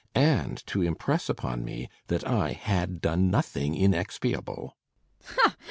And to impress upon me that I had done nothing inexpiable. MRS.